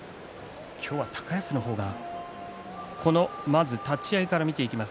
高安の方がまず立ち合いから見ていきます。